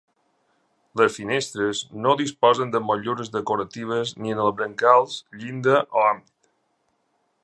Les finestres no disposen de motllures decoratives ni en els brancals, llinda o ampit.